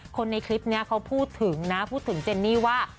คนในคลิปนี้เขาพูดถึงนะพูดถึงเจนนี่ว่า